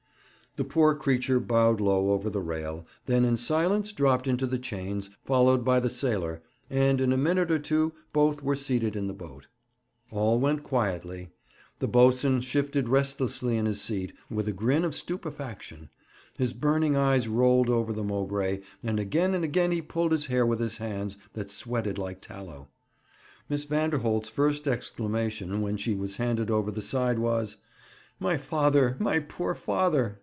The poor creature bowed low over the rail, then in silence dropped into the chains, followed by the sailor, and in a minute or two both were seated in the boat. All went quietly. The boatswain shifted restlessly in his seat, with a grin of stupefaction. His burning eyes rolled over the Mowbray, and again and again he pulled his hair with hands that sweated like tallow. Miss Vanderholt's first exclamation, when she was handed over the side, was, 'My father! my poor father!'